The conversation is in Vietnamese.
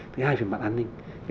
thứ hai về mặt an ninh